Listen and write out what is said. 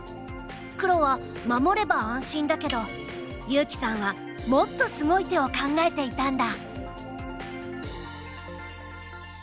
黒は守れば安心だけど悠生さんはもっとすごい手を考えていたんだ。